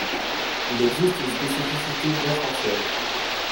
Il existe une spécificité bien française.